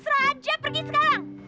serah aja pergi sekarang